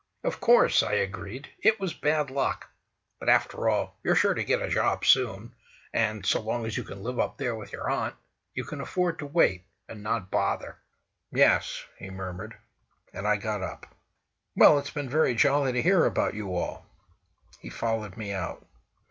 "Of course," I agreed; "it was bad luck. But after all, you're sure to get a job soon, and—so long as you can live up there with your aunt—you can afford to wait, and not bother." "Yes," he murmured. And I got up. "Well, it's been very jolly to hear about you all!" He followed me out.